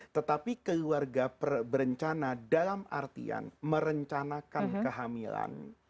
tetapi keluarga berencana dalam artian merencanakan kehamilan